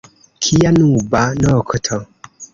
Kia nuba nokto!